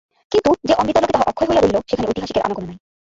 কিন্তু, যে অমৃতলোকে তাহা অক্ষয় হইয়া রহিল সেখানে ঐতিহাসিকের আনাগোনা নাই।